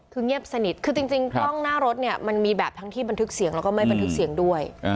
คือเงียบสนิทคือจริงกล้องหน้ารถเนี่ยมันมีแบบทั้งที่บันทึกเสียงแล้วก็ไม่บันทึกเสียงด้วย